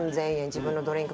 自分のドリンク